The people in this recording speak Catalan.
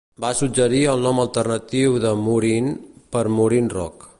Va suggerir el nom alternatiu de Moorine, per Moorine Rock.